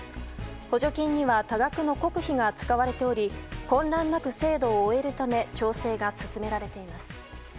補助金には多額の国費が使われており混乱なく制度を終えるため調整が進められています。